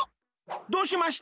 どうしました？